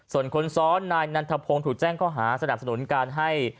ส่วนคนซ้อนนายนันทพงศ์ถูกแจ้งข้อหาสนับสนุนการให้